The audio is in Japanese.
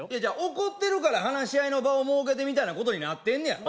怒ってるから話し合いの場を設けてみたいなことになってんねやろ？